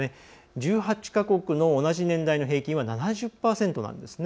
１８か国の同じ年代の平均は７０％なんですね。